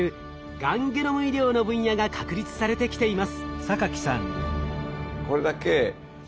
がんゲノム医療の分野が確立されてきています。